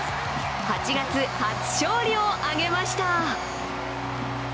８月、初勝利を挙げました。